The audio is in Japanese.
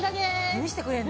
見せてくれるの？